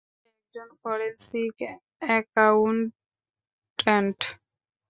সে একজন forensic accountant.